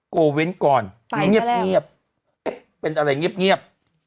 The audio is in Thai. โกวิ้นก่อนเป็นอะไรเงียบ